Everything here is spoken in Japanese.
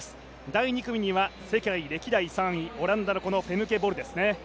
第２組には世界歴代３位、オランダのフェムケ・ボルですね。